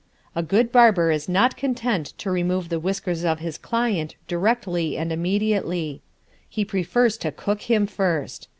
A good barber is not content to remove the whiskers of his client directly and immediately. He prefers to cook him first.